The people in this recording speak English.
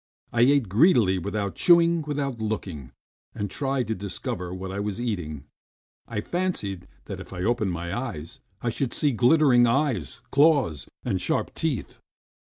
I ate greedily without chewing, without looking and trying to discover what I was eating. I fancied that if I opened my eyes I should see glittering eyes, claws, and sharp teeth.